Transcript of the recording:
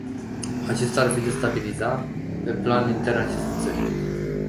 Acesta ar destabiliza pe plan intern aceste țări.